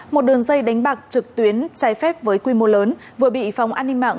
một đường dây đánh bạc trực tuyến trái phép với quy mô lớn vừa bị phòng an ninh mạng